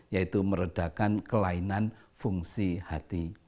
yaitu meredakan kelainan fungsi hati